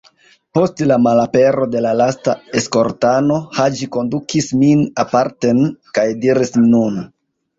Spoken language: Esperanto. Post la malapero de la lasta eskortano, Haĝi kondukis min aparten kaj diris: "Nu!"